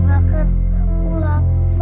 jangan bu cukup bu